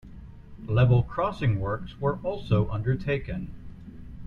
Level crossing works were also undertaken.